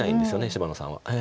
芝野さんは。